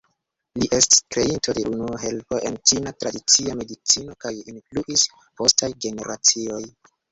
Li ests kreinto de unua helpo en Ĉina tradicia medicino kaj influis postaj generacioj.